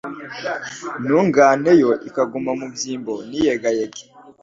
intungane yo ikaguma mu byimbo ntiyegayege